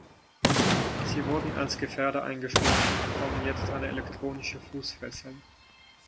Sie wurden als Gefährder eingestuft und bekommen jetzt eine elektronische Fußfessel.